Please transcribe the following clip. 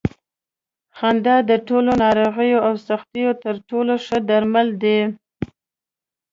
خندا د ټولو ناروغیو او سختیو تر ټولو ښه درمل دي.